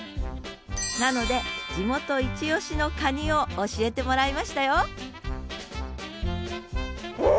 なので地元いちおしのカニを教えてもらいましたよえ